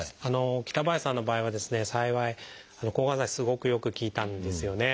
北林さんの場合はですね幸い抗がん剤がすごくよく効いたんですよね。